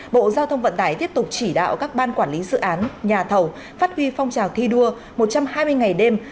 bộ giao thông vận tải tiếp tục chỉ đạo các ban quản lý dự án nhà thầu phát huy phong trào thi đua một trăm hai mươi ngày đêm